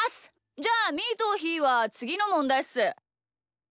じゃあみーとひーはつぎのもんだいっす！